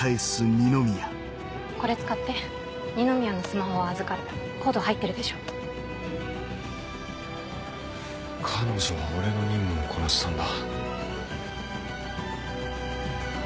これ使って二宮のスマホは預かるＣＯＤＥ入ってるで彼女は俺の任務をこなしたんだ。